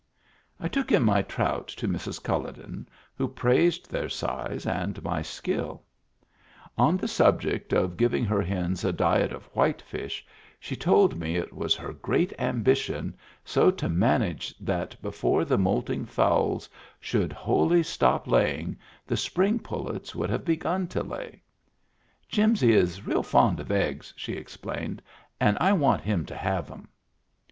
I took in my trout to Mrs. CuUoden, who praised their size and my skill. On the subject Digitized by Google THE DRAKE WHO HAD MEANS OF HIS OWN 293 of giving her hens a diet of whitefish, she told me it was her great ambition so to manage that before the moulting fowls should wholly stop laying the spring pullets should have begun to lay. "Jimsy is real fond of eggs," she explained, " and I want him to have them."